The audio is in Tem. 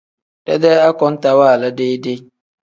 Dedee akontaa waala deyi-deyi.